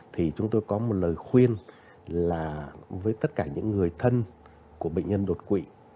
thì chúng tôi có một lời khuyên là với tất cả những người thân của bệnh nhân đột quỵ